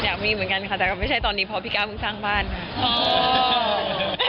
อยากมีเหมือนกันค่ะแต่ก็ไม่ใช่ตอนนี้เพราะพี่ก้าวเพิ่งสร้างบ้านค่ะ